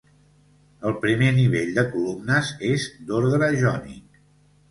El primer nivell de columnes és d'ordre jònic.